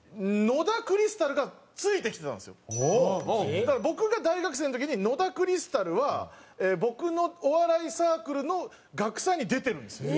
だから僕が大学生の時に野田クリスタルは僕のお笑いサークルの学祭に出てるんですよ。